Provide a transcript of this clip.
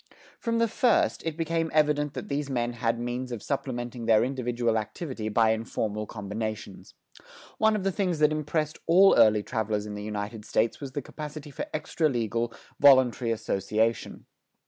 From the first, it became evident that these men had means of supplementing their individual activity by informal combinations. One of the things that impressed all early travelers in the United States was the capacity for extra legal, voluntary association.